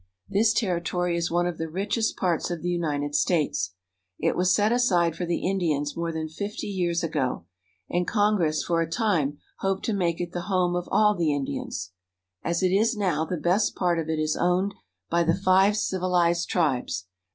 This territory is one of the richest parts of the United States. It was set aside for the Indians more than fifty years ago, and Congress for a time hoped to make it the home of all the Indians. As it is now, the best part of it is owned by the five civilized tribes.